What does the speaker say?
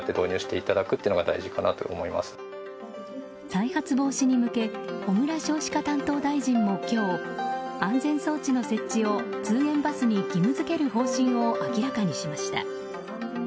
再発防止に向け小倉少子化担当大臣も今日安全装置の設置を通園バスに義務付ける方針を明らかにしました。